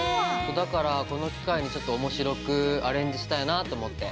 だからこの機会にちょっと面白くアレンジしたいなと思って。